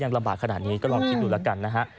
ลำบากขนาดนี้ก็ลองคิดดูแล้วกันนะฮะ